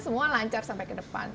semua lancar sampai ke depan